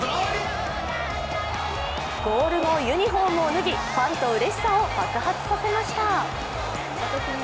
ゴール後、ユニフォームを脱ぎファンとうれしさを爆発させました。